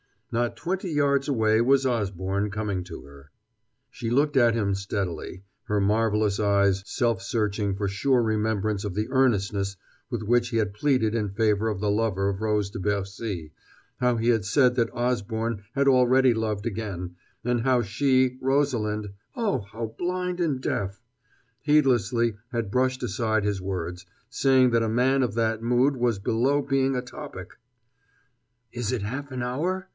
Not twenty yards away was Osborne coming to her. She looked at him steadily her marvelous eyes self searching for sure remembrance of the earnestness with which he had pleaded in favor of the lover of Rose de Bercy how he had said that Osborne had already loved again; and how she, Rosalind oh, how blind and deaf! heedlessly had brushed aside his words, saying that a man of that mood was below being a topic.... "Is it half an hour?"